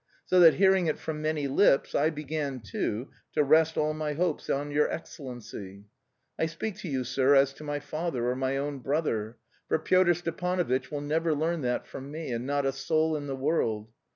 So that hearing it from many lips, I began, too, to rest all my hopes on your excellency. I speak to you, sir, as to my father, or my own brother; for Pyotr Stepanovitch will never learn that from me, and not a soul in the world.